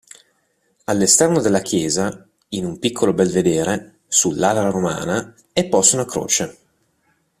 All'esterno della chiesa, in un piccolo belvedere, sull'ara romana, è posta una croce.